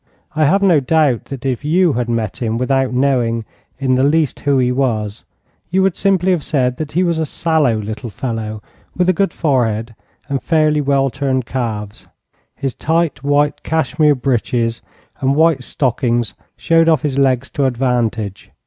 I have no doubt that if you had met him without knowing in the least who he was, you would simply have said that he was a sallow little fellow with a good forehead and fairly well turned calves. His tight white cashmere breeches and white stockings showed off his legs to advantage.